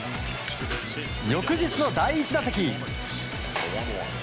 翌日の第１打席。